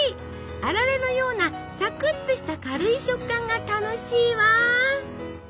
あられのようなサクッとした軽い食感が楽しいわ！